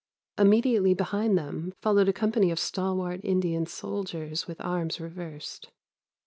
Immediately behind them followed a company of stalwart Indian soldiers with arms reversed.